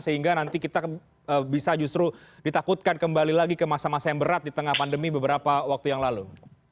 sehingga nanti kita bisa justru ditakutkan kembali lagi ke masa masa yang berat di tengah pandemi beberapa waktu yang lalu